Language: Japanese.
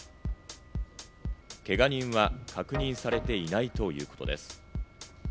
けが人は確認されていないということです。